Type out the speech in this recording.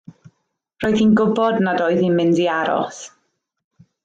Roedd hi'n gwybod nad oedd hi'n mynd i aros.